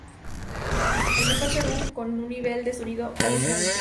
El mejor Serú, con un nivel de sonido alucinante.